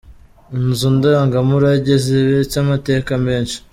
Inzu ndangamurage zibitse amateka menshi.